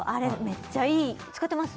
めっちゃいい使ってます？